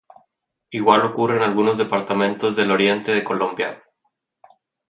Igual ocurre en algunos departamentos del oriente de Colombia.